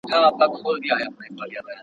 د کمیسیون غونډي چیرته کیږي؟